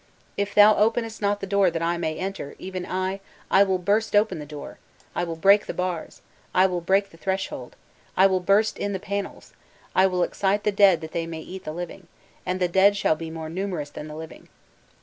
If thou openest not the door that I may enter, even I, I will burst open the door, I will break the bars, I will break the threshold, I will burst in the panels, I will excite the dead that they may eat the living, and the dead shall be more numerous than the living.